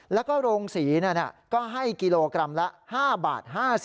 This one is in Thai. แล้วก็โรงศรีก็ให้กิโลกรัมละ๕บาท